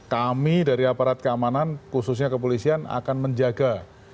kami dari aparat keamanan khususnya kepolisian akan menjaga